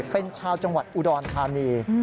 เป็นชาวจังหวัดอุดรธานี